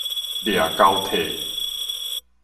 掠交替